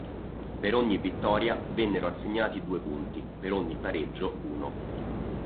Per ogni vittoria vennero assegnati due punti, per ogni pareggio uno.